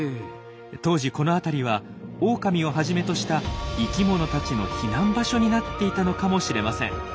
当時この辺りはオオカミをはじめとした生きものたちの避難場所になっていたのかもしれません。